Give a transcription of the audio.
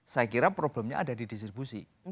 saya kira problemnya ada di distribusi